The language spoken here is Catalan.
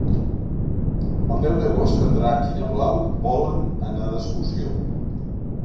El deu d'agost en Drac i na Blau volen anar d'excursió.